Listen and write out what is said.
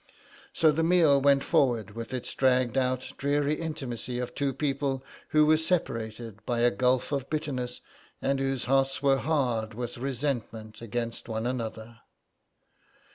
So the meal went forward with its dragged out dreary intimacy of two people who were separated by a gulf of bitterness, and whose hearts were hard with resentment against one another.